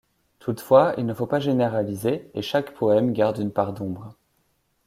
Toutefois, il ne faut pas généraliser, et chaque poème garde une part d'ombre.